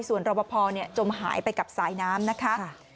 ส่วนรอปภจมหายไปกับสายน้ำนะคะ